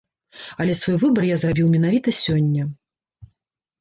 Але свой выбар я зрабіў менавіта сёння.